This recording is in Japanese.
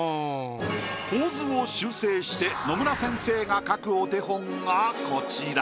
構図を修正して野村先生が描くお手本がこちら。